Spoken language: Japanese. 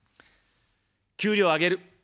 給料を上げる。